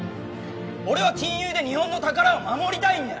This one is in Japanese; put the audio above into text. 俺は金融で日本の宝を守りたいんだよ！